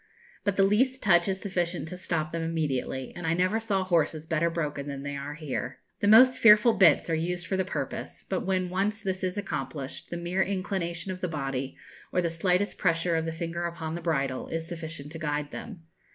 But the least touch is sufficient to stop them immediately, and I never saw horses better broken than they are here. The most fearful bits are used for the purpose; but when once this is accomplished, the mere inclination of the body, or the slightest pressure of the finger upon the bridle, is sufficient to guide them.